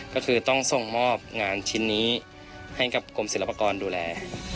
ก็คือต้องส่งมอบงานชิ้นนี้ให้กับกรมศิลปากรดูแล